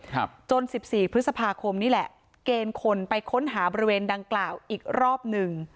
ครับจนสิบสี่พฤษภาคมนี่แหละเกณฑ์คนไปค้นหาบริเวณดังกล่าวอีกรอบหนึ่ง